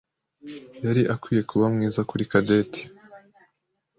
yari akwiye kuba mwiza kuri Cadette.